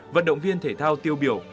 vận động viên thể thao tiêu biểu